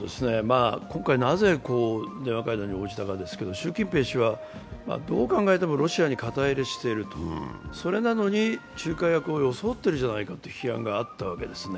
今回なぜ電話会談に応じたかですけれども、習近平氏は、どう考えてもロシアに肩入れしている、それなのに仲介役を装っているじゃないかという批判があったわけですね。